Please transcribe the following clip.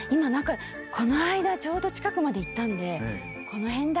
この間ちょうど近くまで行ったんでこの辺だと思って。